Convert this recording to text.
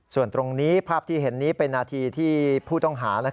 ส่วนตรงนี้ภาพที่เห็นนี้เป็นนาทีที่ผู้ต้องหา